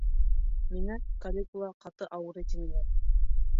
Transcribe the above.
Миңә Калигула ҡаты ауырый, тинеләр.